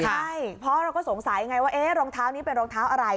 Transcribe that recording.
ใช่เพราะเราก็สงสัยไงว่ารองเท้านี้เป็นรองเท้าอะไร